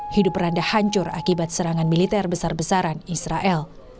hidup randa hancur akibat serangan militer besar besaran israel